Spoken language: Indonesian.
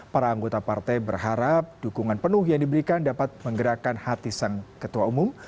para anggota partai berharap dukungan penuh yang diberikan dapat menggerakkan hati sang ketua umum